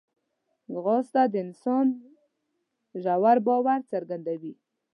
ځغاسته د انسان ژور باور څرګندوي